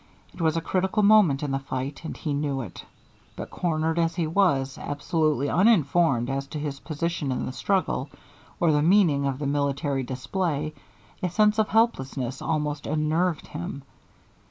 It was a critical moment in the fight, and he knew it, but cornered as he was, absolutely uninformed as to his position in the struggle, or the meaning of the military display, a sense of helplessness almost unnerved him.